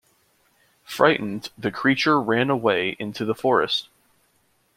Frightened, the creature ran away into the forest.